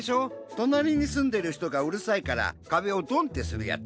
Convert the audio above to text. となりにすんでるひとがうるさいから壁をドンってするやつ。